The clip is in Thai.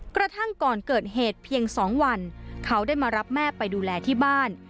กระทั่งก่อนเกิดเหตุเพียง๒วันเขาได้มารับแม่ไปดูแลที่บ้าน